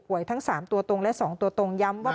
ทั้ง๓ตัวตรงและ๒ตัวตรงย้ำว่า